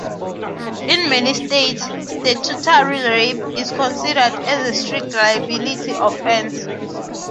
In many states, statutory rape is considered a strict liability offense.